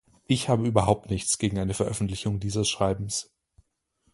Ich habe überhaupt nichts gegen eine Veröffentlichung dieses Schreibens.